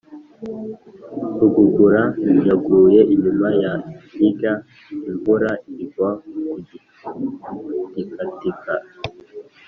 Rugugura yaguye inyuma ya Ngiga-Imvura igwa ku gitikatika.